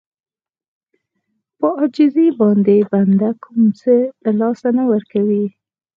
په عاجزي باندې بنده کوم څه له لاسه نه ورکوي.